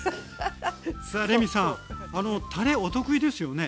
さあレミさんたれお得意ですよね？